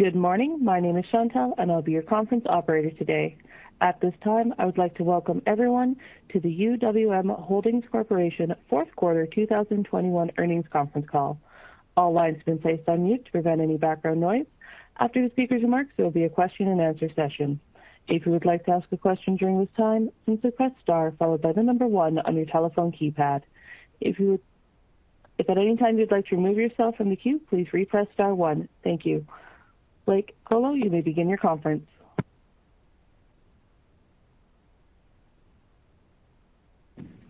Good morning. My name is Chantelle, and I'll be your conference operator today. At this time, I would like to welcome everyone to the UWM Holdings Corporation fourth quarter 2021 earnings conference call. All lines have been placed on mute to prevent any background noise. After the speaker's remarks, there will be a question and answer session. If you would like to ask a question during this time, please press star followed by the number one on your telephone keypad. If at any time you'd like to remove yourself from the queue, please repress star one. Thank you. Blake Kolo, you may begin your conference.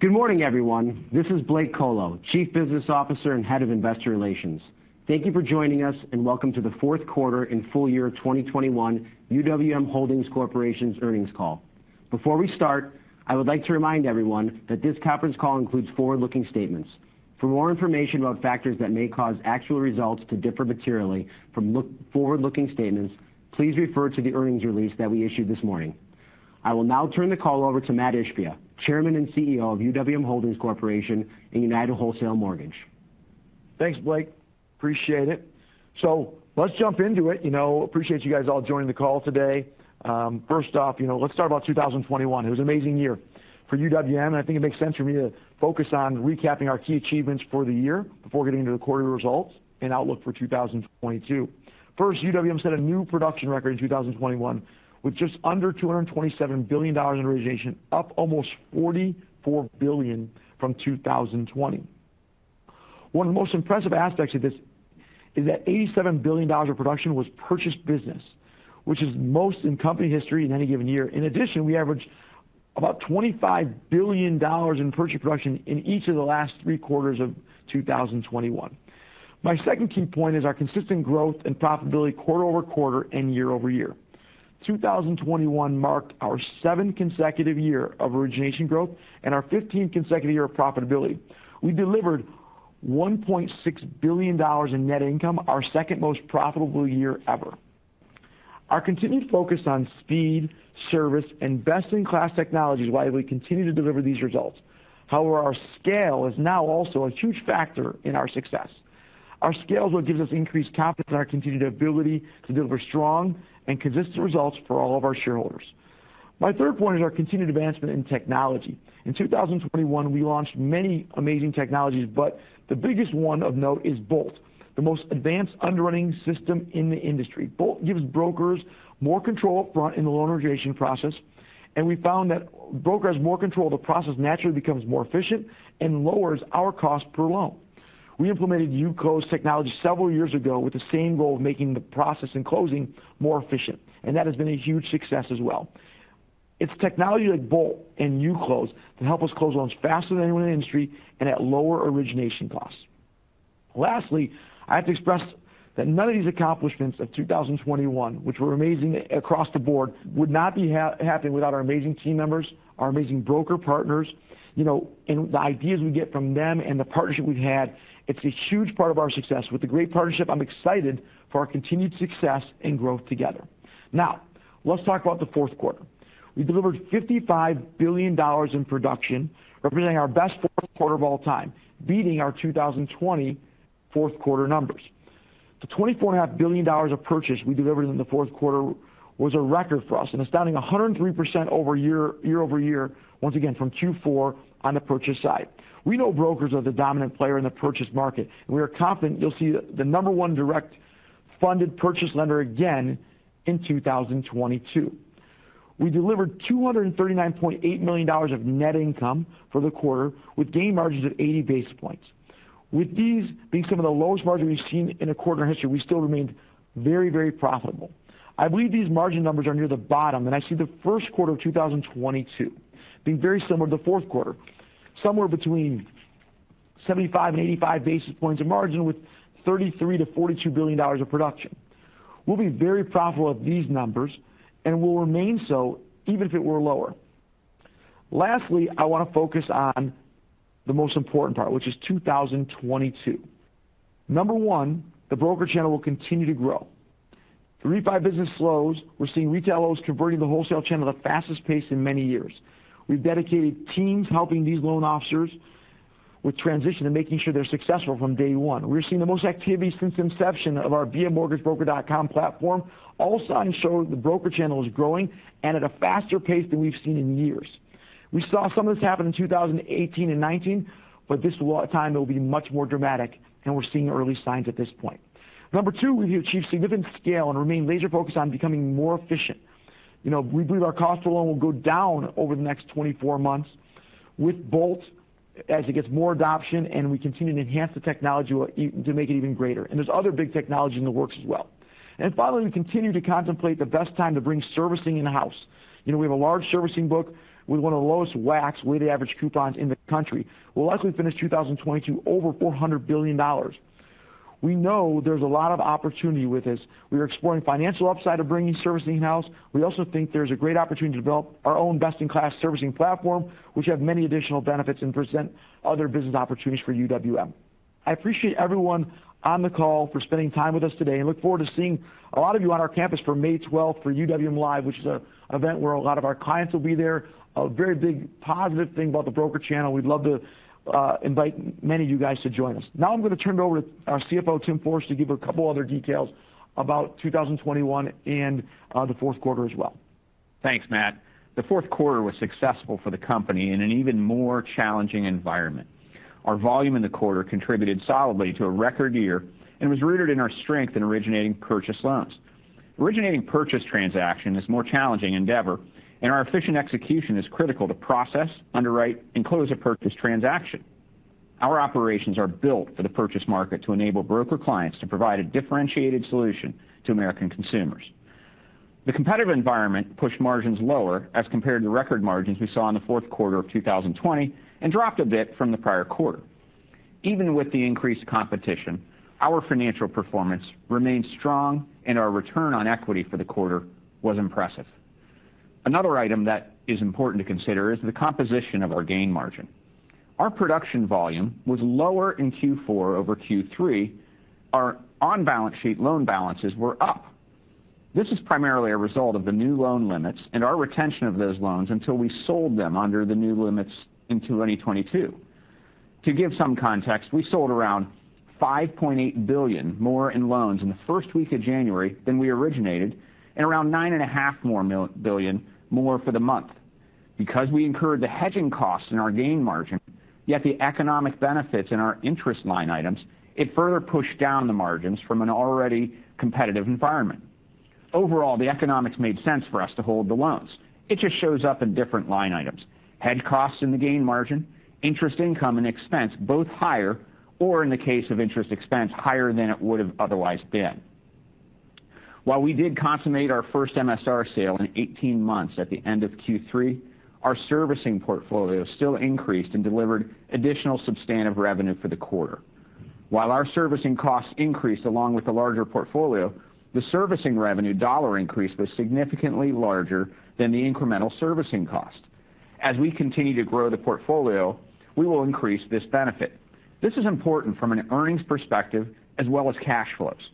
Good morning, everyone. This is Blake Kolo, Chief Business Officer and Head of Investor Relations. Thank you for joining us, and welcome to the fourth quarter and full year of 2021 UWM Holdings Corporation's earnings call. Before we start, I would like to remind everyone that this conference call includes forward-looking statements. For more information about factors that may cause actual results to differ materially from forward-looking statements, please refer to the earnings release that we issued this morning. I will now turn the call over to Mat Ishbia, Chairman and CEO of UWM Holdings Corporation and United Wholesale Mortgage. Thanks, Blake. Appreciate it. Let's jump into it. You know, appreciate you guys all joining the call today. First off, you know, let's start about 2021. It was an amazing year for UWM, and I think it makes sense for me to focus on recapping our key achievements for the year before getting into the quarter results and outlook for 2022. First, UWM set a new production record in 2021 with just under $227 billion in origination, up almost $44 billion from 2020. One of the most impressive aspects of this is that $87 billion of production was purchased business, which is most in company history in any given year. In addition, we averaged about $25 billion in purchase production in each of the last three quarters of 2021. My second key point is our consistent growth and profitability quarter-over-quarter and year-over-year. 2021 marked our seventh consecutive year of origination growth and our 15th consecutive year of profitability. We delivered $1.6 billion in net income, our second most profitable year ever. Our continued focus on speed, service, and best-in-class technology is why we continue to deliver these results. However, our scale is now also a huge factor in our success. Our scale is what gives us increased confidence in our continued ability to deliver strong and consistent results for all of our shareholders. My third point is our continued advancement in technology. In 2021, we launched many amazing technologies, but the biggest one of note is BOLT, the most advanced underwriting system in the industry. BOLT gives brokers more control upfront in the loan origination process, and we found that the broker has more control, the process naturally becomes more efficient and lowers our cost per loan. We implemented UClose technology several years ago with the same goal of making the process in closing more efficient, and that has been a huge success as well. It's technology like BOLT and UClose that help us close loans faster than anyone in the industry and at lower origination costs. Lastly, I have to express that none of these accomplishments of 2021, which were amazing across the board, would not be happening without our amazing team members, our amazing broker partners, you know, and the ideas we get from them and the partnership we've had. It's a huge part of our success. With the great partnership, I'm excited for our continued success and growth together. Now, let's talk about the fourth quarter. We delivered $55 billion in production, representing our best fourth quarter of all time, beating our 2020 fourth quarter numbers. The $24 and a half billion of purchase we delivered in the fourth quarter was a record for us, an astounding 103% over year-over-year, once again from Q4 on the purchase side. We know brokers are the dominant player in the purchase market. We are confident you'll see the number one direct funded purchase lender again in 2022. We delivered $239.8 million of net income for the quarter, with gain margins at 80 basis points. With these being some of the lowest margins we've seen in a quarter in history, we still remained very profitable. I believe these margin numbers are near the bottom, and I see the first quarter of 2022 being very similar to the fourth quarter, somewhere between 75-85 basis points of margin with $33 billion-$42 billion of production. We'll be very profitable at these numbers and will remain so even if it were lower. Lastly, I want to focus on the most important part, which is 2022. Number one, the broker channel will continue to grow. If business slows, we're seeing retail loans converting to the wholesale channel at the fastest pace in many years. We've dedicated teams helping these loan officers with transition and making sure they're successful from day one. We're seeing the most activity since inception of our bamortgagebroker.com platform. All signs show the broker channel is growing and at a faster pace than we've seen in years. We saw some of this happen in 2018 and 2019, but this time it will be much more dramatic, and we're seeing early signs at this point. Number two, we've achieved significant scale and remain laser-focused on becoming more efficient. You know, we believe our cost per loan will go down over the next 24 months with Bolt as it gets more adoption, and we continue to enhance the technology to make it even greater. There's other big technology in the works as well. Finally, we continue to contemplate the best time to bring servicing in-house. You know, we have a large servicing book. We want the lowest WACs, weighted average coupons, in the country. We'll likely finish 2022 over $400 billion. We know there's a lot of opportunity with this. We are exploring financial upside of bringing servicing in-house. We also think there's a great opportunity to develop our own best-in-class servicing platform, which have many additional benefits and present other business opportunities for UWM. I appreciate everyone on the call for spending time with us today and look forward to seeing a lot of you on our campus for May 12 for UWM LIVE!, which is a event where a lot of our clients will be there. A very big positive thing about the broker channel. We'd love to invite many of you guys to join us. Now I'm going to turn it over to our CFO, Tim Forrester, to give a couple other details about 2021 and the fourth quarter as well. Thanks, Matt. The fourth quarter was successful for the company in an even more challenging environment. Our volume in the quarter contributed solidly to a record year and was rooted in our strength in originating purchase loans. Originating purchase transaction is more challenging endeavor, and our efficient execution is critical to process, underwrite, and close a purchase transaction. Our operations are built for the purchase market to enable broker clients to provide a differentiated solution to American consumers. The competitive environment pushed margins lower as compared to record margins we saw in the fourth quarter of 2020, and dropped a bit from the prior quarter. Even with the increased competition, our financial performance remained strong and our Return on Equity for the quarter was impressive. Another item that is important to consider is the composition of our gain margin. Our production volume was lower in Q4 over Q3. Our on-balance sheet loan balances were up. This is primarily a result of the new loan limits and our retention of those loans until we sold them under the new limits in 2022. To give some context, we sold around $5.8 billion more in loans in the first week of January than we originated, and around $9.5 billion more for the month. Because we incurred the hedging costs in our gain margin, yet the economic benefits in our interest line items, it further pushed down the margins from an already competitive environment. Overall, the economics made sense for us to hold the loans. It just shows up in different line items. Hedge costs in the gain margin, interest income and expense both higher, or in the case of interest expense, higher than it would have otherwise been. While we did consummate our first MSR sale in 18 months at the end of Q3, our servicing portfolio still increased and delivered additional substantive revenue for the quarter. While our servicing costs increased along with the larger portfolio, the servicing revenue dollar increase was significantly larger than the incremental servicing cost. As we continue to grow the portfolio, we will increase this benefit. This is important from an earnings perspective as well as cash flows.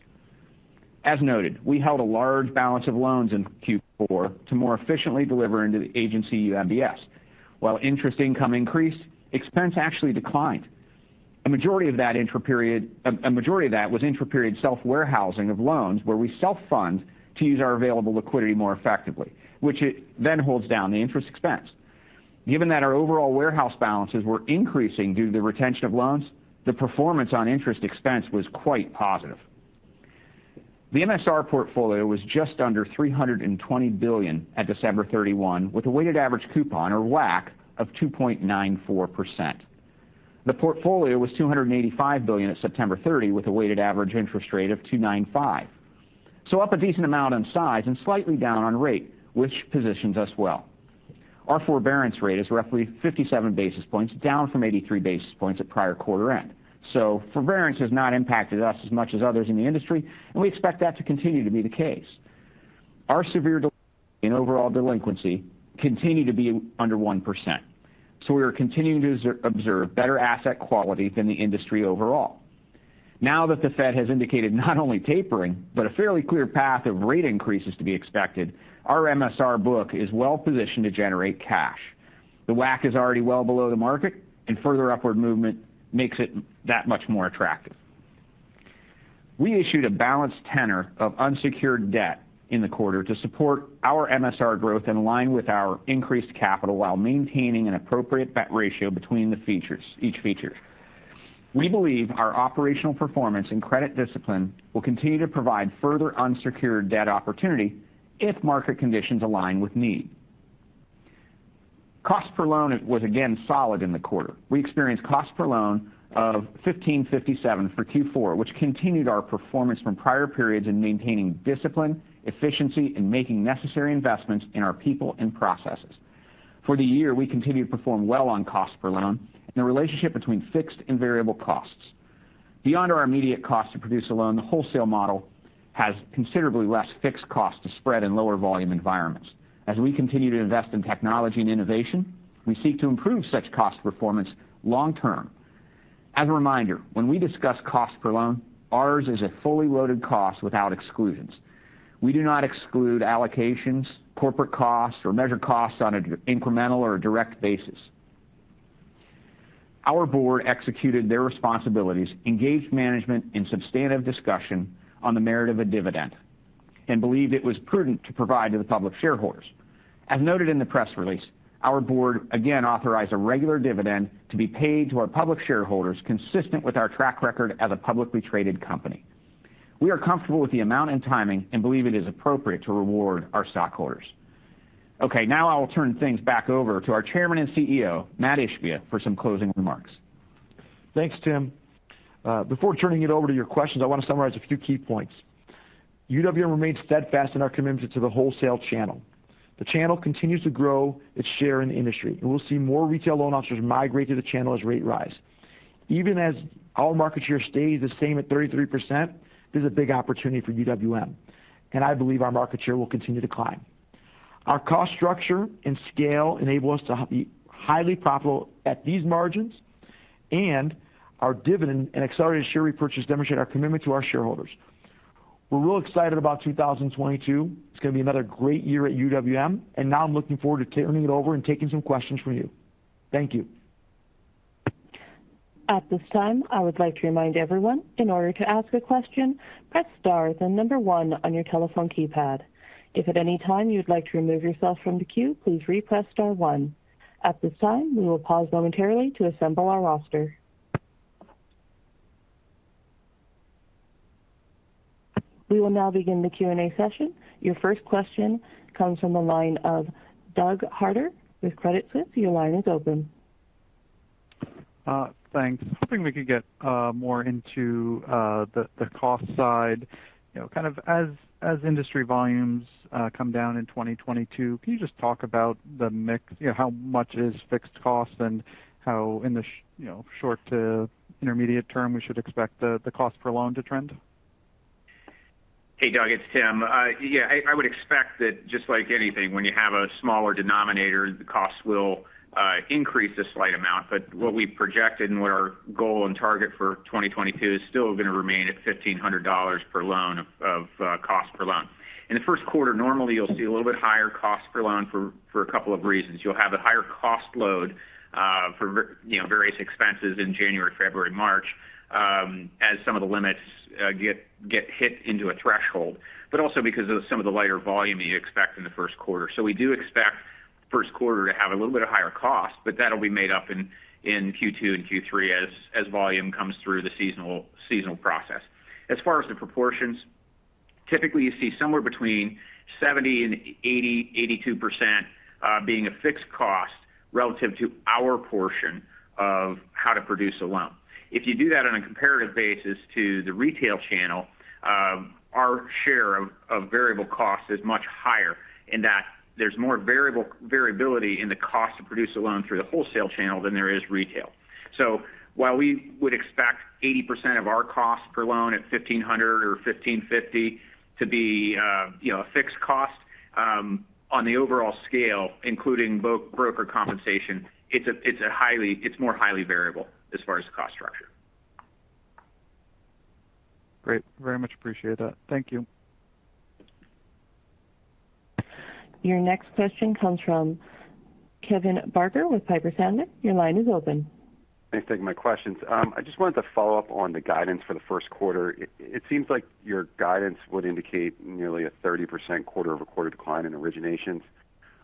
As noted, we held a large balance of loans in Q4 to more efficiently deliver into the agency MBS. While interest income increased, expense actually declined. A majority of that was intraperiod self-warehousing of loans where we self-fund to use our available liquidity more effectively, which it then holds down the interest expense. Given that our overall warehouse balances were increasing due to the retention of loans, the performance on interest expense was quite positive. The MSR portfolio was just under $320 billion at December 31, with a weighted average coupon or WAC of 2.94%. The portfolio was $285 billion at September 30 with a weighted average interest rate of 2.95. Up a decent amount on size and slightly down on rate, which positions us well. Our forbearance rate is roughly 57 basis points down from 83 basis points at prior quarter end. Forbearance has not impacted us as much as others in the industry, and we expect that to continue to be the case. Our severe delinquency and overall delinquency continue to be under 1%, so we are continuing to observe better asset quality than the industry overall. Now that the Fed has indicated not only tapering but a fairly clear path of rate increases to be expected, our MSR book is well-positioned to generate cash. The WAC is already well below the market and further upward movement makes it that much more attractive. We issued a balanced tenor of unsecured debt in the quarter to support our MSR growth in line with our increased capital while maintaining an appropriate debt ratio between the features, each feature. We believe our operational performance and credit discipline will continue to provide further unsecured debt opportunity if market conditions align with need. Cost per loan was again solid in the quarter. We experienced cost per loan of $1,557 for Q4, which continued our performance from prior periods in maintaining discipline, efficiency and making necessary investments in our people and processes. For the year, we continue to perform well on cost per loan and the relationship between fixed and variable costs. Beyond our immediate cost to produce a loan, the wholesale model has considerably less fixed cost to spread in lower volume environments. As we continue to invest in technology and innovation, we seek to improve such cost performance long term. As a reminder, when we discuss cost per loan, ours is a fully loaded cost without exclusions. We do not exclude allocations, corporate costs, or measure costs on an incremental or a direct basis. Our board executed their responsibilities, engaged management in substantive discussion on the merit of a dividend, and believed it was prudent to provide to the public shareholders. As noted in the press release, our board again authorized a regular dividend to be paid to our public shareholders consistent with our track record as a publicly traded company. We are comfortable with the amount and timing and believe it is appropriate to reward our stockholders. Okay. Now I will turn things back over to our Chairman and CEO, Mat Ishbia, for some closing remarks. Thanks, Tim. Before turning it over to your questions, I want to summarize a few key points. UWM remains steadfast in our commitment to the wholesale channel. The channel continues to grow its share in the industry, and we'll see more retail loan officers migrate to the channel as rates rise. Even as our market share stays the same at 33%, there's a big opportunity for UWM, and I believe our market share will continue to climb. Our cost structure and scale enable us to be highly profitable at these margins, and our dividend and accelerated share repurchase demonstrate our commitment to our shareholders. We're real excited about 2022. It's going to be another great year at UWM, and now I'm looking forward to turning it over and taking some questions from you. Thank you. At this time, I would like to remind everyone, in order to ask a question, press star then number one on your telephone keypad. If at any time you'd like to remove yourself from the queue, please re-press star one. At this time, we will pause momentarily to assemble our roster. We will now begin the Q&A session. Your first question comes from the line of Douglas Harter with Credit Suisse. Your line is open. Thanks. Hoping we could get more into the cost side. You know, kind of as industry volumes come down in 2022, can you just talk about the mix, you know, how much is fixed costs and how in the short to intermediate term we should expect the cost per loan to trend? Hey, Doug, it's Tim. Yeah, I would expect that just like anything, when you have a smaller denominator, the cost will increase a slight amount. What we've projected and what our goal and target for 2022 is still gonna remain at $1,500 per loan of cost per loan. In the first quarter, normally you'll see a little bit higher cost per loan for a couple of reasons. You'll have a higher cost load, you know, various expenses in January, February, March, as some of the limits get hit into a threshold. Also because of some of the lighter volume you expect in the first quarter. We do expect first quarter to have a little bit of higher costs, but that'll be made up in Q2 and Q3 as volume comes through the seasonal process. As far as the proportions, typically you see somewhere between 70% and 82% being a fixed cost relative to our portion of how to produce a loan. If you do that on a comparative basis to the retail channel, our share of variable cost is much higher in that there's more variability in the cost to produce a loan through the wholesale channel than there is retail. While we would expect 80% of our cost per loan at $1,500 or $1,550 to be, you know, a fixed cost, on the overall scale, including broker compensation, it's more highly variable as far as the cost structure. Great. Very much appreciate that. Thank you. Your next question comes from Kevin Barker with Piper Sandler. Your line is open. Thanks. Thank you for taking my questions. I just wanted to follow up on the guidance for the first quarter. It seems like your guidance would indicate nearly a 30% quarter-over-quarter decline in originations.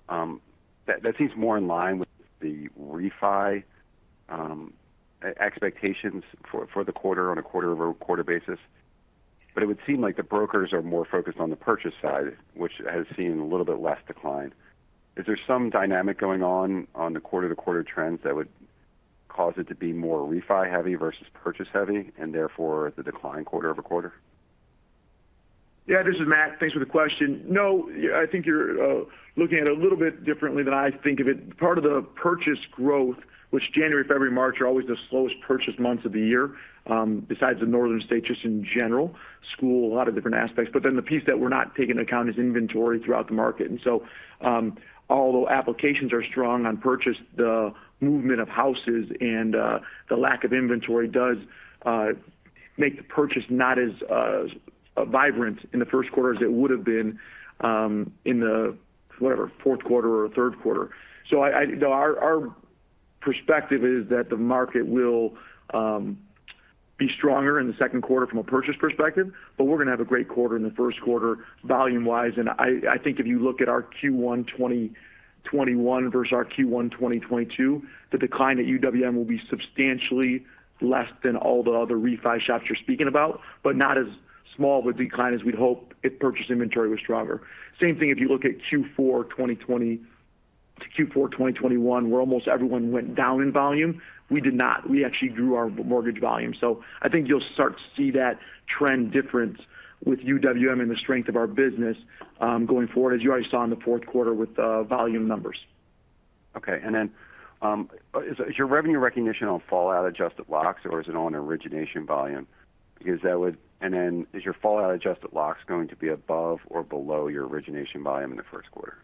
That seems more in line with the refi expectations for the quarter on a quarter-over-quarter basis. It would seem like the brokers are more focused on the purchase side, which has seen a little bit less decline. Is there some dynamic going on on the quarter-to-quarter trends that would cause it to be more refi heavy versus purchase heavy, and therefore the decline quarter-over-quarter? Yeah, this is Matt. Thanks for the question. No, I think you're looking at it a little bit differently than I think of it. Part of the purchase growth, which January, February, March are always the slowest purchase months of the year, besides the northern states just in general, school, a lot of different aspects. The piece that we're not taking into account is inventory throughout the market. Although applications are strong on purchase, the movement of houses and the lack of inventory does make the purchase not as as vibrant in the first quarter as it would've been in whatever fourth quarter or third quarter. Though our perspective is that the market will be stronger in the second quarter from a purchase perspective, but we're gonna have a great quarter in the first quarter volume-wise. I think if you look at our Q1 2021 versus our Q1 2022, the decline at UWM will be substantially less than all the other refi shops you're speaking about, but not as small of a decline as we'd hope if purchase inventory was stronger. Same thing if you look at Q4 2020 to Q4 2021, where almost everyone went down in volume. We did not. We actually grew our mortgage volume. I think you'll start to see that trend difference with UWM and the strength of our business going forward, as you already saw in the fourth quarter with volume numbers. Is your revenue recognition on fallout-adjusted locks or is it on origination volume? Is your fallout-adjusted locks going to be above or below your origination volume in the first quarter?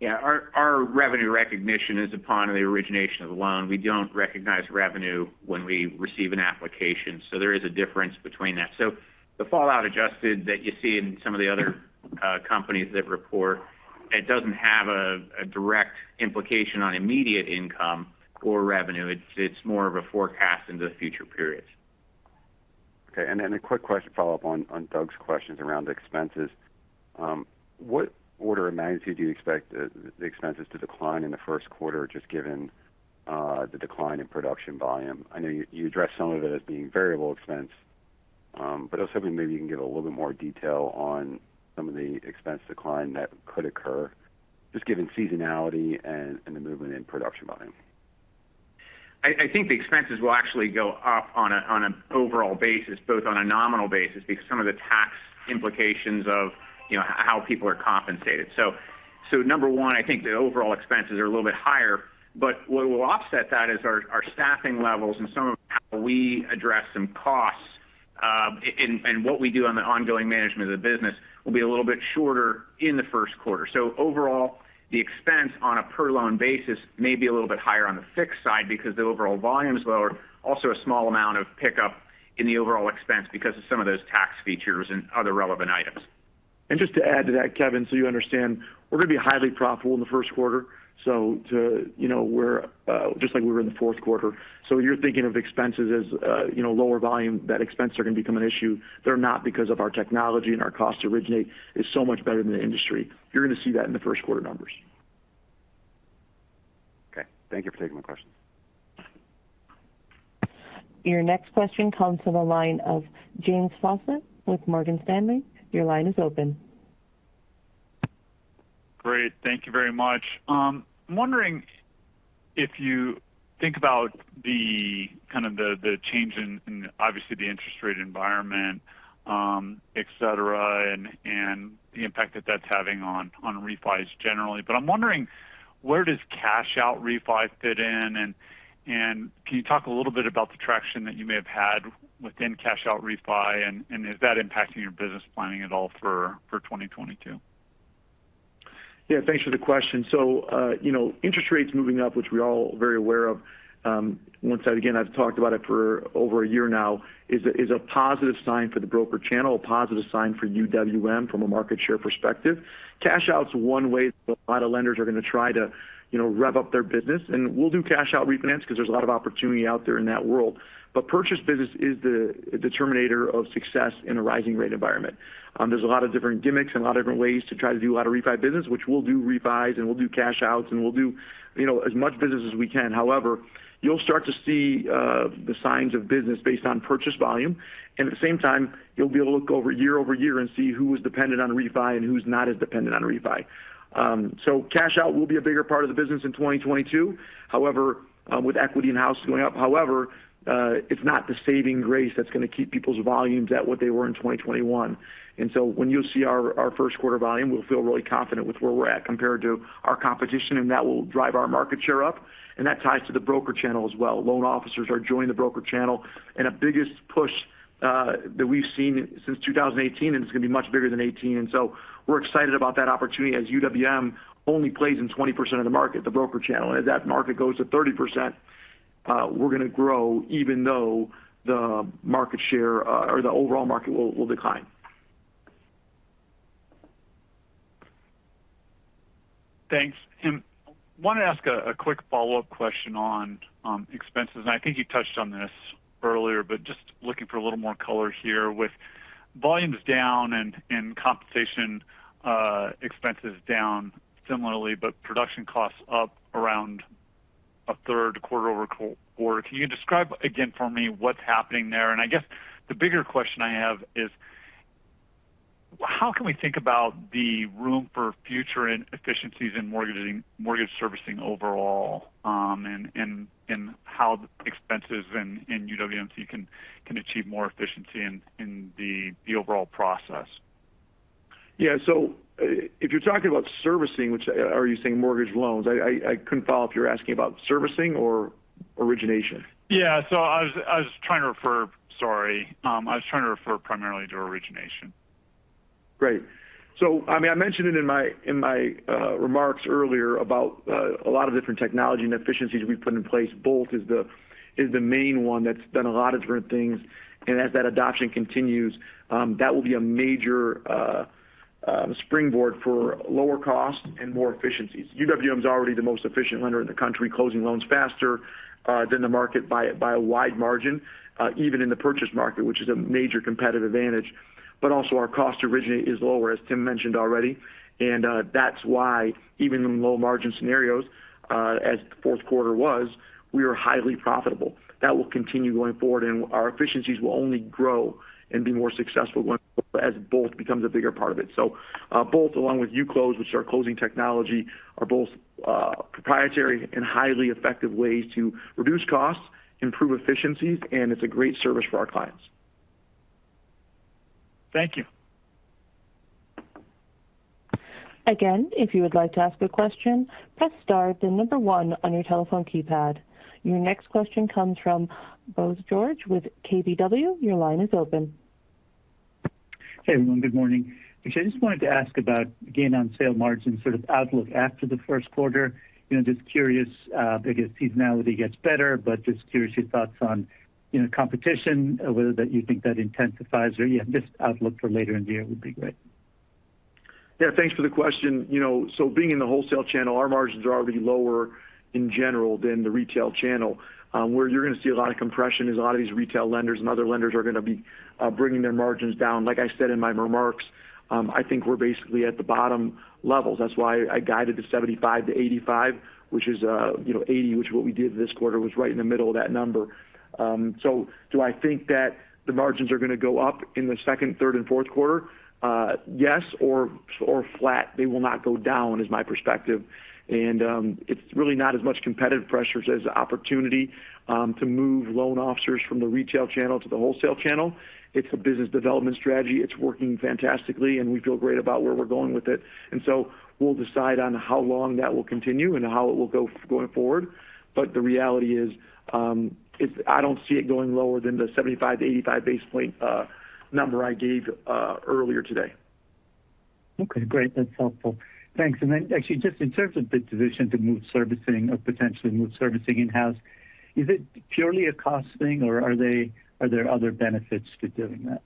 Yeah. Our revenue recognition is upon the origination of the loan. We don't recognize revenue when we receive an application. There is a difference between that. The fallout adjusted that you see in some of the other companies that report, it doesn't have a direct implication on immediate income or revenue. It's more of a forecast into future periods. Okay. A quick question to follow up on Doug's questions around expenses. What order of magnitude do you expect the expenses to decline in the first quarter, just given the decline in production volume? I know you addressed some of it as being variable expense, but I was hoping maybe you can give a little bit more detail on some of the expense decline that could occur, just given seasonality and the movement in production volume. I think the expenses will actually go up on an overall basis, both on a nominal basis because some of the tax implications of, you know, how people are compensated. Number one, I think the overall expenses are a little bit higher, but what will offset that is our staffing levels and some of how we address some costs, and what we do on the ongoing management of the business will be a little bit shorter in the first quarter. Overall, the expense on a per loan basis may be a little bit higher on the fixed side because the overall volume is lower. Also a small amount of pickup in the overall expense because of some of those tax features and other relevant items. Just to add to that, Kevin, so you understand, we're going to be highly profitable in the first quarter. You know, we're just like we were in the fourth quarter. You're thinking of expenses as, you know, lower volume, that expenses are going to become an issue. They're not because of our technology, and our cost to originate is so much better than the industry. You're going to see that in the first quarter numbers. Okay. Thank you for taking my question. Your next question comes from the line of James Faucette with Morgan Stanley. Your line is open. Great. Thank you very much. I'm wondering if you think about the kind of the change in obviously the interest rate environment, et cetera, and the impact that that's having on refis generally. I'm wondering where does cash out refi fit in and can you talk a little bit about the traction that you may have had within cash out refi and is that impacting your business planning at all for 2022? Yeah, thanks for the question. You know, interest rates moving up, which we're all very aware of, once again, I've talked about it for over a year now, is a positive sign for the broker channel, a positive sign for UWM from a market share perspective. Cash-out's one way a lot of lenders are going to try to, you know, rev up their business. We'll do cash out refinance because there's a lot of opportunity out there in that world. Purchase business is the determinator of success in a rising rate environment. There's a lot of different gimmicks and a lot of different ways to try to do a lot of refi business, which we'll do refis, and we'll do cash outs, and we'll do, you know, as much business as we can. However, you'll start to see the signs of business based on purchase volume. At the same time, you'll be able to look over year-over-year and see who was dependent on refi and who's not as dependent on refi. Cash out will be a bigger part of the business in 2022. However, with equity in houses going up, however, it's not the saving grace that's going to keep people's volumes at what they were in 2021. When you'll see our first quarter volume, we'll feel really confident with where we're at compared to our competition, and that will drive our market share up. That ties to the broker channel as well. Loan officers are joining the broker channel in the biggest push that we've seen since 2018, and it's going to be much bigger than 2018. We're excited about that opportunity as UWM only plays in 20% of the market, the broker channel. As that market goes to 30%, we're going to grow even though the market share, or the overall market will decline. Thanks. I want to ask a quick follow-up question on expenses. I think you touched on this earlier, but I'm just looking for a little more color here. With volumes down and compensation expenses down similarly, but production costs up around a third, quarter-over-quarter. Can you describe again for me what's happening there? I guess the bigger question I have is how can we think about the room for future inefficiencies in mortgage servicing overall, and how expenses in UWM can achieve more efficiency in the overall process? Yeah. If you're talking about servicing, which are you saying mortgage loans? I couldn't follow up. You're asking about servicing or origination? I was trying to refer primarily to origination. Great. I mean, I mentioned it in my remarks earlier about a lot of different technology and efficiencies we put in place. BOLT is the main one that's done a lot of different things. As that adoption continues, that will be a major springboard for lower cost and more efficiencies. UWM is already the most efficient lender in the country, closing loans faster than the market by a wide margin, even in the purchase market, which is a major competitive advantage. Also our cost to originate is lower, as Tim mentioned already. That's why even in low margin scenarios, as the fourth quarter was, we are highly profitable. That will continue going forward, and our efficiencies will only grow and be more successful as BOLT becomes a bigger part of it. BOLT, along with UClose, which is our closing technology, are both proprietary and highly effective ways to reduce costs, improve efficiencies, and it's a great service for our clients. Thank you. Again, if you would like to ask a question, press star then number one on your telephone keypad. Your next question comes from Bose George with KBW. Your line is open. Hey, everyone. Good morning. Actually, I just wanted to ask about gain on sale margin sort of outlook after the first quarter. You know, just curious, I guess seasonality gets better, but just curious your thoughts on, you know, competition, whether that you think that intensifies or, yeah, just outlook for later in the year would be great. Yeah, thanks for the question. You know, being in the wholesale channel, our margins are already lower in general than the retail channel. Where you're going to see a lot of compression is a lot of these retail lenders and other lenders are going to be bringing their margins down. Like I said in my remarks, I think we're basically at the bottom levels. That's why I guided to 75%-85%, which is, you know, 80%, which what we did this quarter was right in the middle of that number. Do I think that the margins are going to go up in the second, third, and fourth quarter? Yes, or flat. They will not go down is my perspective. It's really not as much competitive pressures as opportunity to move loan officers from the retail channel to the wholesale channel. It's a business development strategy. It's working fantastically, and we feel great about where we're going with it. We'll decide on how long that will continue and how it will go going forward. The reality is, it's. I don't see it going lower than the 75-85 basis point number I gave earlier today. Okay, great. That's helpful. Thanks. Actually, just in terms of the decision to move servicing or potentially move servicing in-house, is it purely a cost thing or are there other benefits to doing that?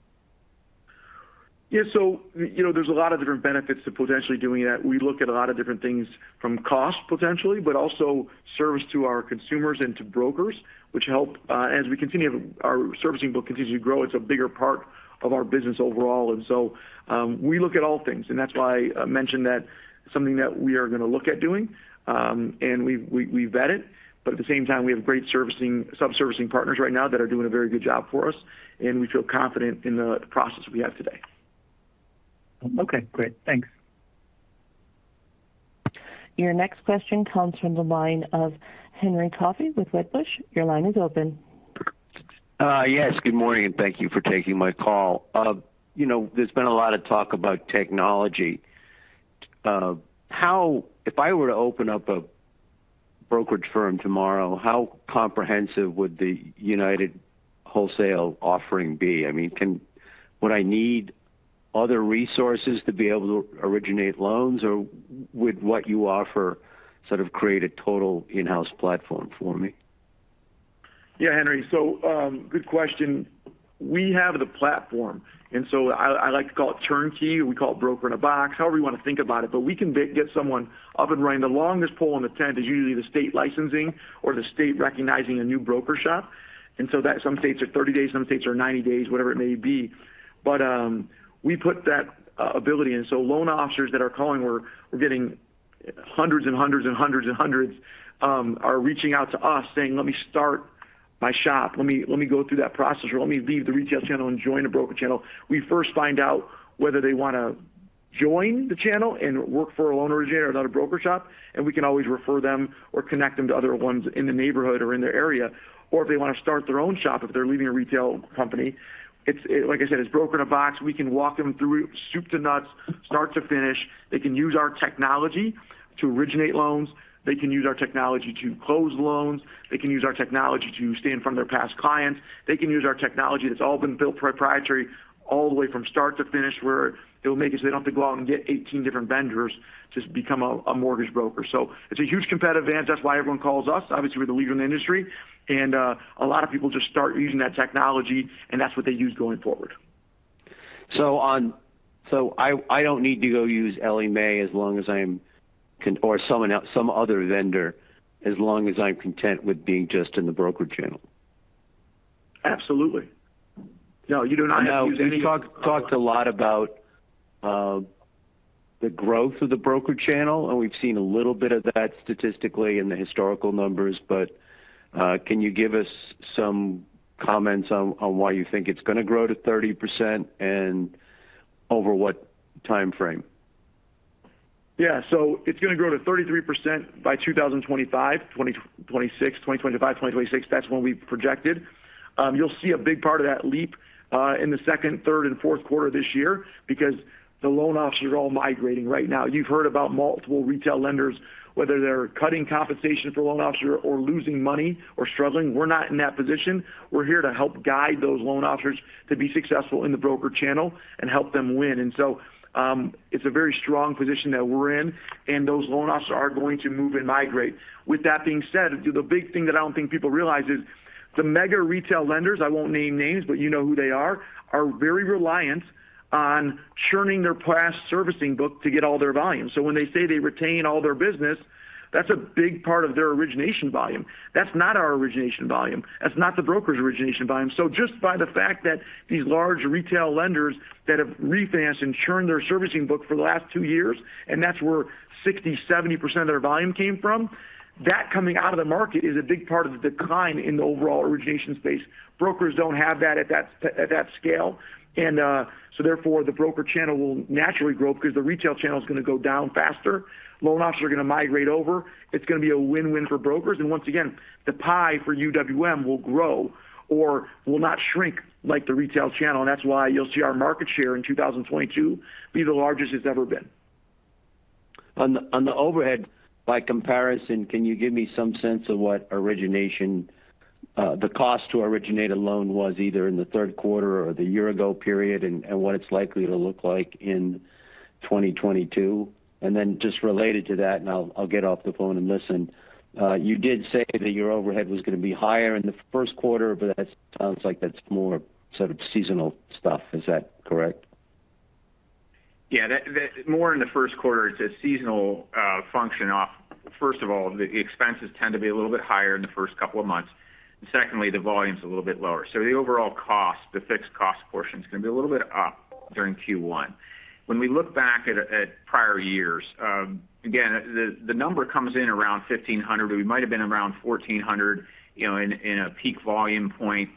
Yeah. You know, there's a lot of different benefits to potentially doing that. We look at a lot of different things from cost potentially, but also service to our consumers and to brokers which help as our servicing book continues to grow. It's a bigger part of our business overall. We look at all things, and that's why I mentioned that something that we are going to look at doing, and we vet it, but at the same time we have great subservicing partners right now that are doing a very good job for us, and we feel confident in the process we have today. Okay, great. Thanks. Your next question comes from the line of Henry Coffey with Wedbush. Your line is open. Yes, good morning, and thank you for taking my call. You know, there's been a lot of talk about technology. If I were to open up a brokerage firm tomorrow, how comprehensive would the United Wholesale offering be? I mean, would I need other resources to be able to originate loans, or would what you offer sort of create a total in-house platform for me? Yeah, Henry. Good question. We have the platform. I like to call it turnkey. We call it broker in a box, however you want to think about it, but we can get someone up and running. The longest pole in the tent is usually the state licensing or the state recognizing a new broker shop. Some states are 30 days, some states are 90 days, whatever it may be. We put that ability in. Loan officers that are calling, we're getting hundreds are reaching out to us saying, "Let me start my shop. Let me go through that process," or, "Let me leave the retail channel and join a broker channel." We first find out whether they want to join the channel and work for a loan originator or another broker shop, and we can always refer them or connect them to other ones in the neighborhood or in their area. If they want to start their own shop, if they're leaving a retail company, it's, like I said, broker in a box. We can walk them through soup to nuts, start to finish. They can use our technology to originate loans. They can use our technology to close loans. They can use our technology to stay in front of their past clients. They can use our technology that's all been built proprietary all the way from start to finish, where it'll make it so they don't have to go out and get 18 different vendors to become a mortgage broker. It's a huge competitive advantage. That's why everyone calls us. Obviously, we're the leader in the industry, and a lot of people just start using that technology, and that's what they use going forward. I don't need to go use Ellie Mae as long as I'm content or some other vendor, as long as I'm content with being just in the broker channel. Absolutely. No, you do not have to use any of- Now, you talked a lot about the growth of the broker channel, and we've seen a little bit of that statistically in the historical numbers. Can you give us some comments on why you think it's going to grow to 30% and over what timeframe? Yeah. It's going to grow to 33% by 2025, 2026. 2025, 2026, that's when we projected. You'll see a big part of that leap in the second, third and fourth quarter this year because the loan officers are all migrating right now. You've heard about multiple retail lenders, whether they're cutting compensation for a loan officer or losing money or struggling. We're not in that position. We're here to help guide those loan officers to be successful in the broker channel and help them win. It's a very strong position that we're in and those loan officers are going to move and migrate. With that being said, the big thing that I don't think people realize is the mega retail lenders, I won't name names, but you know who they are very reliant on churning their past servicing book to get all their volume. So when they say they retain all their business, that's a big part of their origination volume. That's not our origination volume. That's not the broker's origination volume. So just by the fact that these large retail lenders that have refinanced and churned their servicing book for the last two years, and that's where 60%-70% of their volume came from, that coming out of the market is a big part of the decline in the overall origination space. Brokers don't have that at that scale, so therefore the broker channel will naturally grow because the retail channel is going to go down faster. Loan officers are going to migrate over. It's going to be a win-win for brokers. Once again, the pie for UWM will grow or will not shrink like the retail channel. That's why you'll see our market share in 2022 be the largest it's ever been. On the overhead by comparison, can you give me some sense of what origination the cost to originate a loan was either in the third quarter or the year ago period, and what it's likely to look like in 2022? Then just related to that, I'll get off the phone and listen. You did say that your overhead was going to be higher in the first quarter, but that sounds like that's more sort of seasonal stuff. Is that correct? Yeah. More in the first quarter, it's a seasonal function of. First of all, the expenses tend to be a little bit higher in the first couple of months. Secondly, the volume is a little bit lower. The overall cost, the fixed cost portion, is going to be a little bit up during Q1. When we look back at prior years, again, the number comes in around $1,500. We might have been around $1,400, you know, in a peak volume point.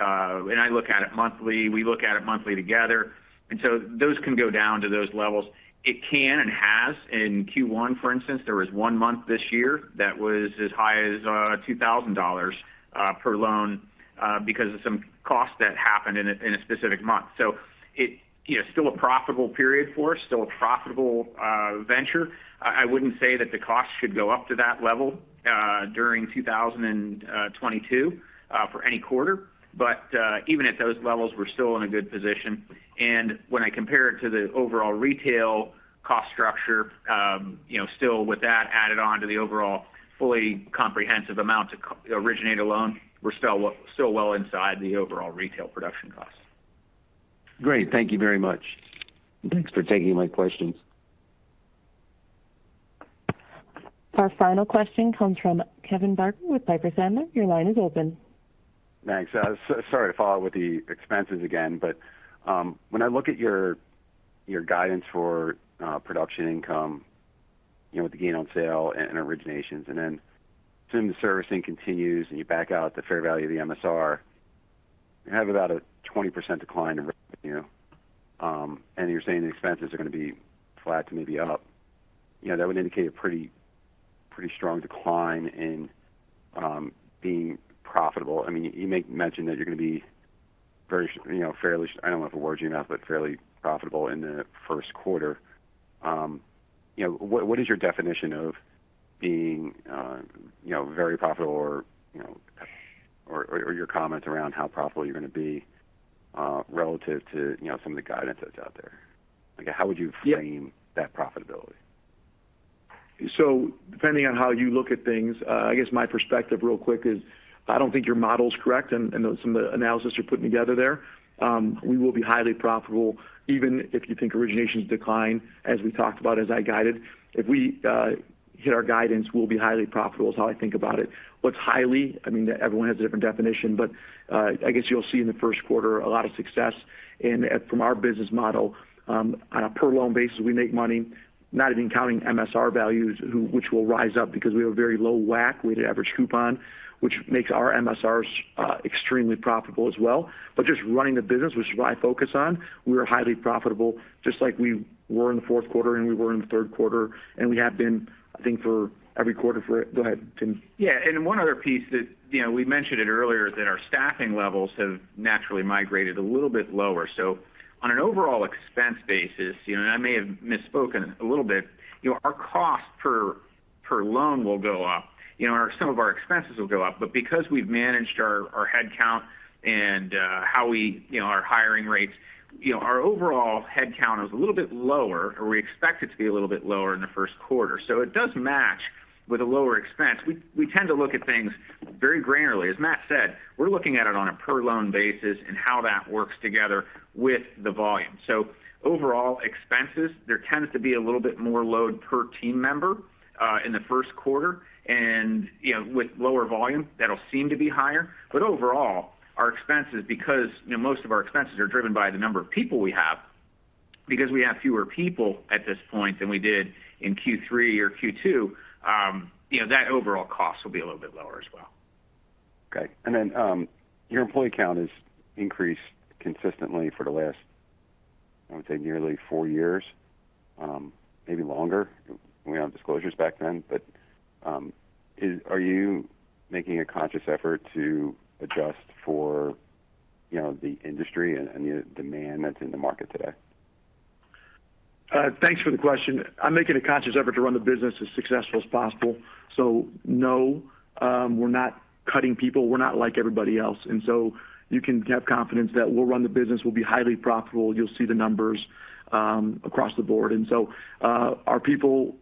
I look at it monthly. We look at it monthly together. Those can go down to those levels. It can and has. In Q1, for instance, there was one month this year that was as high as $2,000 per loan because of some costs that happened in a specific month. It, you know, still a profitable period for us, still a profitable venture. I wouldn't say that the cost should go up to that level during 2022 for any quarter. Even at those levels, we're still in a good position. When I compare it to the overall retail cost structure, you know, still with that added on to the overall fully comprehensive amount to originate a loan, we're still well inside the overall retail production costs. Great. Thank you very much. Thanks for taking my questions. Our final question comes from Kevin Barker with Piper Sandler. Your line is open. Thanks. I was sorry to follow up with the expenses again, but when I look at your guidance for production income, you know, with the gain on sale and originations, and then assuming the servicing continues and you back out the fair value of the MSR, you have about a 20% decline in revenue, and you're saying the expenses are gonna be flat to maybe up. You know, that would indicate a pretty strong decline in being profitable. I mean, you make mention that you're gonna be very, you know, fairly profitable in the first quarter. You know, what is your definition of being, you know, very profitable or, you know, or your comments around how profitable you're gonna be, relative to, you know, some of the guidance that's out there? Like, how would you frame that profitability? Depending on how you look at things, I guess my perspective real quick is I don't think your model's correct and some of the analysis you're putting together there. We will be highly profitable even if you think originations decline, as we talked about, as I guided. If we hit our guidance, we'll be highly profitable is how I think about it. What's highly, I mean, everyone has a different definition, but I guess you'll see in the first quarter a lot of success. From our business model, on a per loan basis, we make money, not even counting MSR values, which will rise up because we have a very low WAC, weighted average coupon, which makes our MSRs extremely profitable as well. Just running the business, which is what I focus on, we are highly profitable, just like we were in the fourth quarter and we were in the third quarter, and we have been, I think, for every quarter. Go ahead, Tim. Yeah. One other piece that, you know, we mentioned it earlier that our staffing levels have naturally migrated a little bit lower. On an overall expense basis, you know, and I may have misspoken a little bit, you know, our cost per loan will go up. You know, some of our expenses will go up. Because we've managed our headcount and how we, you know, our hiring rates, you know, our overall headcount is a little bit lower, or we expect it to be a little bit lower in the first quarter. It does match with a lower expense. We tend to look at things very granularly. As Matt said, we're looking at it on a per loan basis and how that works together with the volume. Overall expenses, there tends to be a little bit more load per team member in the first quarter. You know, with lower volume, that'll seem to be higher. Overall, our expenses, because you know, most of our expenses are driven by the number of people we have, because we have fewer people at this point than we did in Q3 or Q2, you know, that overall cost will be a little bit lower as well. Okay. Your employee count has increased consistently for the last, I would say, nearly four years, maybe longer. We don't have disclosures back then. Are you making a conscious effort to adjust for, you know, the industry and the demand that's in the market today? Thanks for the question. I'm making a conscious effort to run the business as successful as possible. No, we're not cutting people. We're not like everybody else. You can have confidence that we'll run the business, we'll be highly profitable. You'll see the numbers across the board. Our people,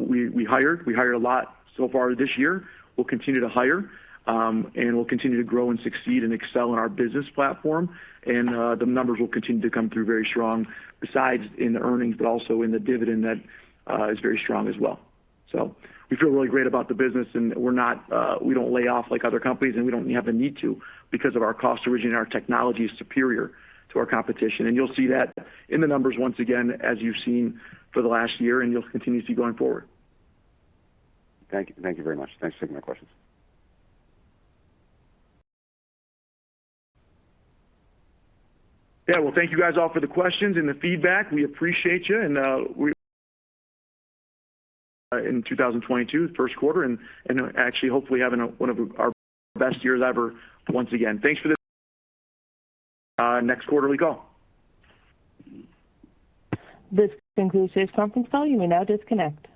we hired a lot so far this year. We'll continue to hire, and we'll continue to grow and succeed and excel in our business platform. The numbers will continue to come through very strong besides in the earnings but also in the dividend that is very strong as well. We feel really great about the business, and we're not, we don't lay off like other companies, and we don't have the need to because of our cost origination and our technology is superior to our competition. You'll see that in the numbers once again as you've seen for the last year and you'll continue to see going forward. Thank you. Thank you very much. Thanks for taking my questions. Yeah. Well, thank you guys all for the questions and the feedback. We appreciate you. We're in 2022, first quarter, and actually hopefully having one of our best years ever once again. Thanks for this. Next quarter we go. This concludes the conference call. You may now disconnect.